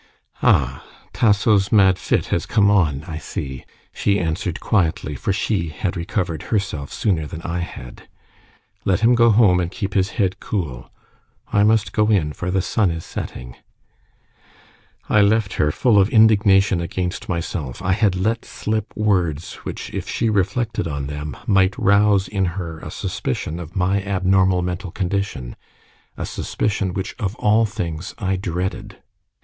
"Ah, Tasso's mad fit has come on, I see," she answered quietly, for she had recovered herself sooner than I had. "Let him go home and keep his head cool. I must go in, for the sun is setting." I left her full of indignation against myself. I had let slip words which, if she reflected on them, might rouse in her a suspicion of my abnormal mental condition a suspicion which of all things I dreaded.